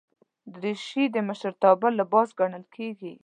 دریشي د مشرتابه لباس ګڼل کېږي.